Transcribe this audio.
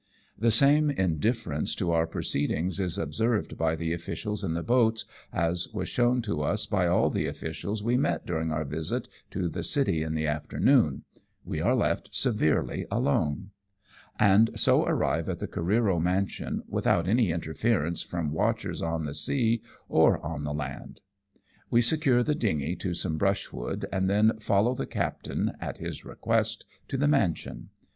The same indifference to our proceedings is observed by the officials in the boats as was shown to us by all the officials we met during our visit to the city in the afternoon — we are left severely alone ; and so arrive at the Careero mansion without any interference from watchers on the sea or on the land. We secure the dingy to some brushwood, and then follow the captain, at his request, to the mansion.